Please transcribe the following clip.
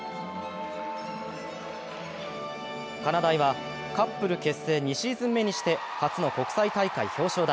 かなだいは、カップル結成２シーズン目にして初の国際大会表彰台。